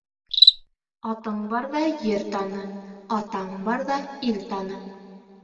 Атың барҙа ер таны, атаң барҙа ил таны.